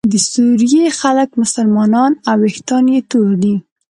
د سوریې خلک مسلمانان او ویښتان یې تور دي.